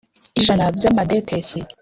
Ijana by amadetesi